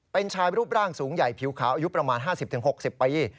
เป็นชายรูปร่างสูงใหญ่ผิวขาวอายุประมาณ๕๐๖๐ปี